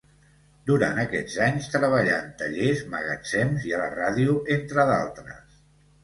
Durant aquests anys treballà en tallers, magatzems i a la ràdio, entre d'altres.